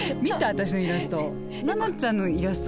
私のイラスト。